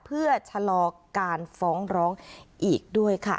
เพื่อชะลอการฟ้องร้องอีกด้วยค่ะ